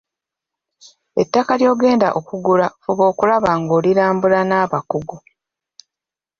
Ettaka ly'ogenda okugula fuba okulaba nga olirambula n’abakugu.